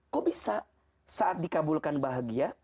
kok bisa saat dikabulkan bahagia